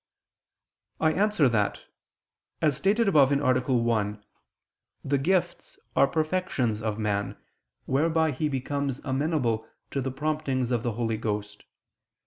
I answer that, As stated above (A. 1), the gifts are perfections of man, whereby he becomes amenable to the promptings of the Holy Ghost.